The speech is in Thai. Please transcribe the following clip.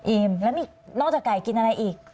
อิ่มแล้วนอกจากไก่กินอะไรอีก